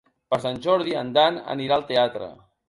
Per Sant Jordi en Dan anirà al teatre.